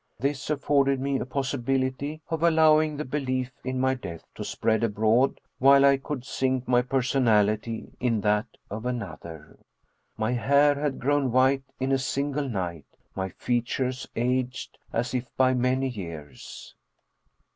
This afforded me a possibility of al lowing the belief in my death to spread abroad while I could sink my personality in that of another. My hair had grown white in a single night, my features aged as if by many years.